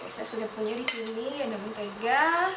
saya sudah punya di sini ada mentega